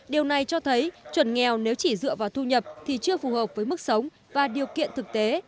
điều này cho thấy chuẩn nghèo nếu chỉ dựa vào thu nhập thì chưa phù hợp với mức sống và điều kiện thực tế